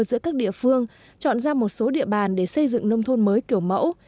giữa các địa phương chọn ra một số địa bàn để xây dựng nông thôn mới kiểu mẫu